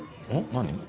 何？